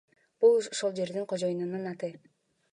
Бул ошол жердин кожоюнунун аты.